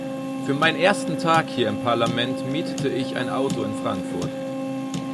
Für meinen ersten Tag hier im Parlament mietete ich ein Auto in Frankfurt.